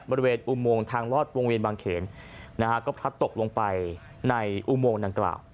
บริเวณอุโมงทางลอดวงเวียนบางเขนนะฮะก็พลัดตกลงไปในอุโมงดังกล่าว